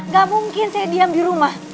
gak mungkin saya diam di rumah